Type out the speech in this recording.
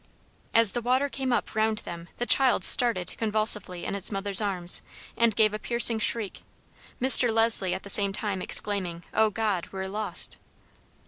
As the water came up round them, the child started convulsively in its mother's arms and gave a piercing shriek, Mr. Leslie at the same time exclaiming, "Oh, God! we're lost!"